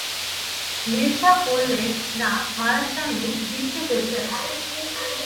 নীরজা বললে, না, মারা যায় নি, দিব্যি বেঁচে আছে।